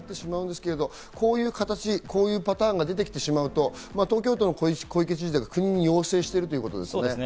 こういうパターンが出てきてしまうと、東京都の小池知事が国に要請しているんですね。